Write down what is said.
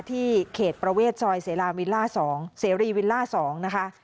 ที่เขตประเวทซอยเซราวิลล่าสองเซรีวิลล่าสองนะคะ